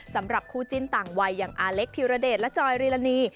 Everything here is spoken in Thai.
สำหรับคู่จิ้นต่างวัยอย่างอาเล็กธิรเดชและจอยรีลานี